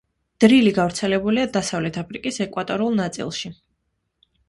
დრილი გავრცელებულია დასავლეთ აფრიკის ეკვატორულ ნაწილში.